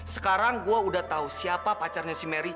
sekarang gue udah tahu siapa pacarnya si mary